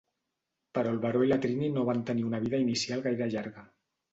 Però el Baró i la Trini no van tenir una vida inicial gaire llarga.